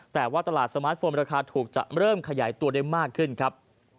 แต่ว่าตลาดสมาร์ทโฟนราคาถูกจะเริ่มขยายตัวได้มากขึ้นครับ